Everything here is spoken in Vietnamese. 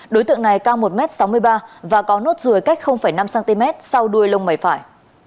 đối tượng này cao một m sáu mươi ba và có nốt ruồi cách năm cm sau đuôi lông mày phải